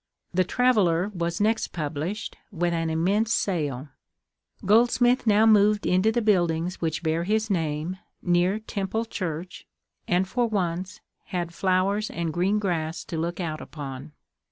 The "Traveller" was next published, with an immense sale. Goldsmith now moved into the buildings which bear his name, near Temple Church, and, for once, had flowers and green grass to look out upon.